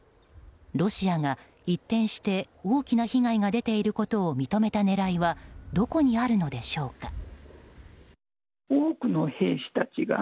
ロシアが一転して大きな被害が出ていることを認めた狙いはどこにあるのでしょうか。